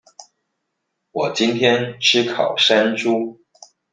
我今天吃烤山豬